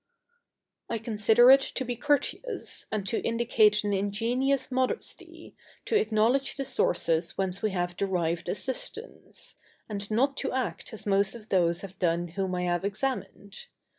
I consider it to be courteous and to indicate an ingenuous modesty, to acknowledge the sources whence we have derived assistance, and not to act as most of those have done whom I have examined.